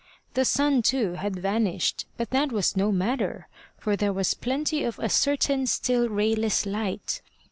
The sun too had vanished; but that was no matter, for there was plenty of a certain still rayless light.